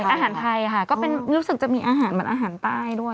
อาหารไทยค่ะก็เป็นรู้สึกจะมีอาหารเหมือนอาหารใต้ด้วย